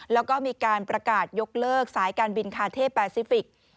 แล้วก็มีการประกาศยกเลิกสายการบินคาเท่แปซิฟิกส์